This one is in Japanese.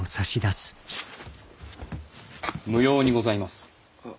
無用にございます。